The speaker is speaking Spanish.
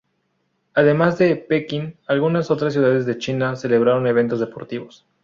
Además de Pekín, algunas otras ciudades de China celebraron eventos deportivos.